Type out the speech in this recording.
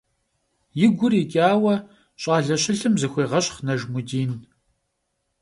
И гур икӀауэ, щӀалэ щылъым зыхуегъэщхъ Нажмудин.